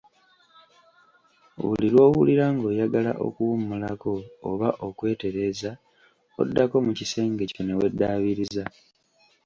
Buli lw‘owulira ng‘oyagala okuwummulako oba okwetereza oddako mu kisenge kyo ne weddabiriza.